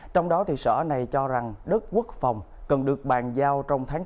trong đó sở này cho rằng đất quốc phòng cần được bàn giao trong tháng chín